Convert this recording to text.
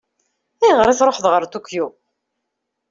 Ayɣer i tṛuḥeḍ ɣer Tokyo?